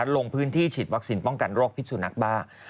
ลงพื้นที่ฉีดวัคซีนป้องกันโรคพิษสุนักบ้า